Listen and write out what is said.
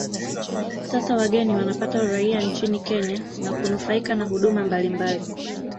Sasa wageni wanapata uraia nchini Kenya na kunufaika na huduma mbalimbali